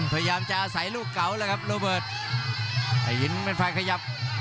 พยายามจะอาศัยลูกเก่าแล้วครับโรเบิร์ตแต่ยินเป็นฝ่ายขยับ